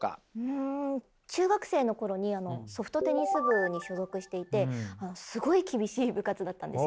ん？中学生の頃にソフトテニス部に所属していてすごい厳しい部活だったんですよ。